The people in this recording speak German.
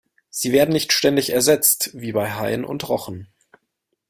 Sie werden nicht ständig ersetzt, wie bei Haien und Rochen.